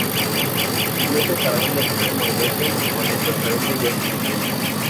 Incluso para un lector morboso, con esto parece ya suficiente.